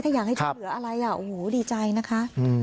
ถ้าอยากให้เจ้าเหลืออะไรดีใจนะคะ